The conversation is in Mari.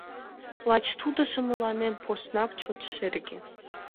Лач тудыжо мыланем поснак чот шерге.